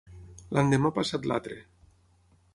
L'endemà passat l'altre.